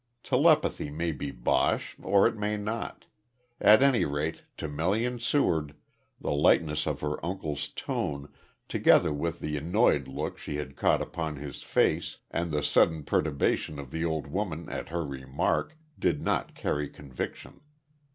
Telepathy may be bosh or it may not. At any rate, to Melian Seward, the lightness of her uncle's tone, together with the annoyed look she had caught upon his face, and the sudden perturbation of the old woman at her remark, did not carry conviction.